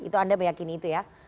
itu anda meyakini itu ya